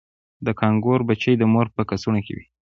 د کانګارو بچی د مور په کڅوړه کې وي